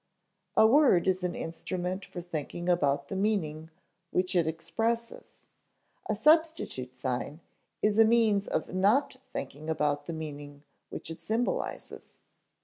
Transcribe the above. A word is an instrument for thinking about the meaning which it expresses; a substitute sign is a means of not thinking about the meaning which it symbolizes."